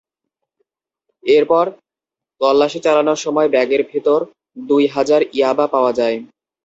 এরপর তল্লাশি চালানোর সময় ব্যাগের ভেতর দুই হাজার ইয়াবা পাওয়া যায়।